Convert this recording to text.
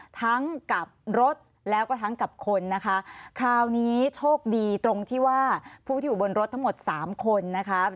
กับรถแล้วก็ทั้งกับคนนะคะคราวนี้โชคดีตรงที่ว่าผู้ที่อยู่บนรถทั้งหมดสามคนนะคะ